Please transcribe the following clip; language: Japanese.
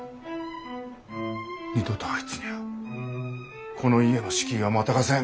二度とあいつにゃあこの家の敷居はまたがせん。